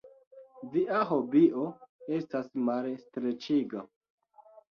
Via hobio estas malstreĉiga.